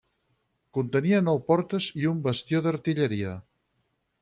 Contenia nou portes i un bastió d'artilleria.